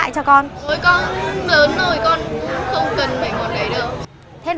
còn con của em